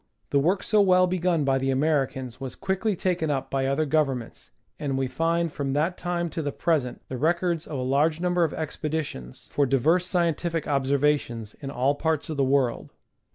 The work so well begun by the Americans was quickly taken up by other governments, and we find from that time to the pres ent, the records of a large number of expeditions for diverse scien Geography of the Sea. 139 tific observations in all parts of the world.